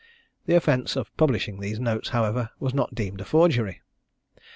The offence of publishing these notes, however, was not deemed a forgery.